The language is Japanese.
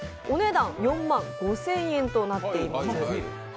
お値段４万５０００円となっています。